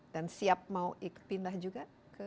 dan siap mau pindah juga